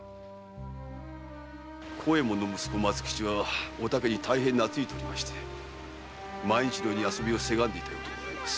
幸右衛門の息子・松吉はお竹に大変なついておりまして毎日のように遊びをせがんでいたようです。